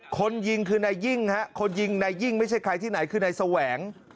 คนยิ่งในยิ่งฮะไม่ใช่ใครที่ไหนคือในแสวง